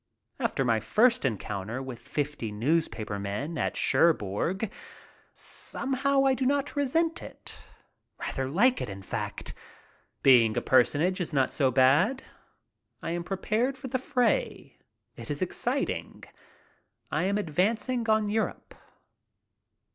After my first encounter with fifty news paper men at Cherbourg, somehow I do not resent it. Rather like it, in fact. Being a personage is not so bad. I am pre pared for the fray. It is exciting. I am advancing on Europe.